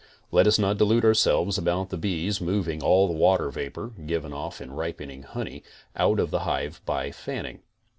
Let us not delude ourselves about the bees moving all the water vapor, given off in ripening honey, out of the hive by fanning.